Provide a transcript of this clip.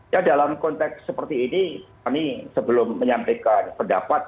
ya dalam konteks seperti ini kami sebelum menyampaikan pendapat